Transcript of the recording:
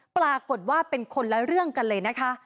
ปรากฏว่าเป็นคนละเรื่องกันเลยนะคะ